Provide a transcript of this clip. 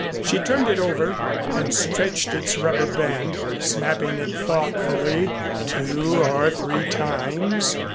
She turned it over and stretched its rubber band, snapping it thoughtfully two or three times.